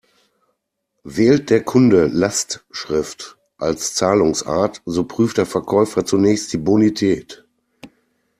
Wählt der Kunde Lastschrift als Zahlungsart, so prüft der Verkäufer zunächst die Bonität.